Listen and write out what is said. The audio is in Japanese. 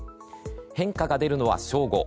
変化が出るのは正午。